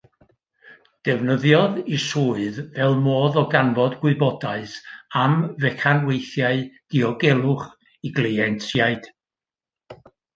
Defnyddiodd ei swydd fel modd o ganfod gwybodaeth am fecanweithiau diogelwch ei gleientiaid.